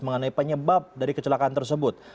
mengenai penyebab dari kecelakaan tersebut